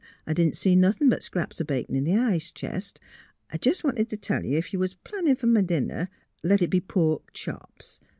I didn't see nothin' but scraps o' bacon in the ice chest. I jus' wanted t' tell you, ef you was plannin' f'r my dinner, let it be pork chops.